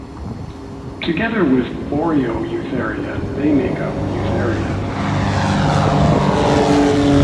Together with Boreoeutheria, they make up Eutheria.